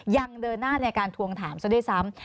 ยังเดินหน้าในการทวงถามซะด้วยซ้ำ